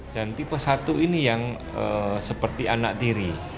dan tipe satu ini yang seperti anak tiri